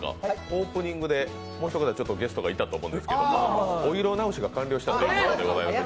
オープニングでもう１組、ゲストがいたと思うんですが、お色直しが完了したようでございます。